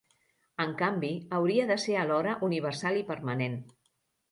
En canvi, hauria de ser alhora universal i permanent.